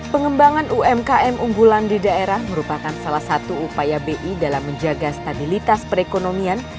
pengembangan umkm unggulan di daerah merupakan salah satu upaya bi dalam menjaga stabilitas perekonomian